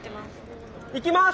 いきます！